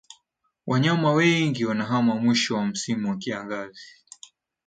wanyama wengi wanahama mwisho wa msimu wa kiangazi